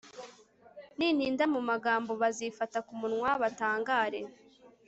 nintinda mu magambo, bazifata ku munwa batangare